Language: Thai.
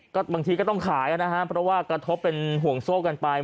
ก็บางทีก็ต้องขายนะครับเพราะว่ากระทบเป็นห่วงโซ่กันไป